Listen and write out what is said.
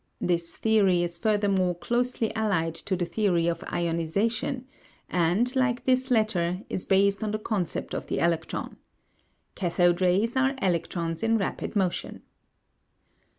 This theory is furthermore closely allied to the theory of ionisation, and, like this latter, is based on the concept of the electron. Cathode rays are electrons in rapid motion.